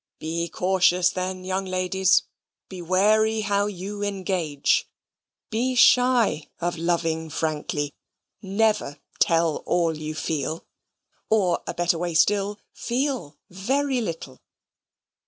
Be cautious then, young ladies; be wary how you engage. Be shy of loving frankly; never tell all you feel, or (a better way still), feel very little.